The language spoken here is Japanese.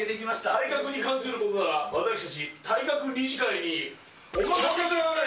体格に関することなら、私たち体格理事会におまかせください。